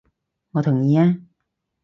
我同意啊！